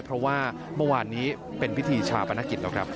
เพราะว่าเมื่อวานนี้เป็นพิธีชาปนกิจแล้วครับ